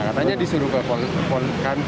katanya disuruh ke polres